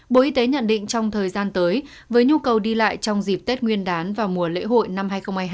bộ y tế nhận định trong thời gian tới với nhu cầu đi lại trong dịp tết nguyên đán và mùa lễ hội năm hai nghìn hai mươi hai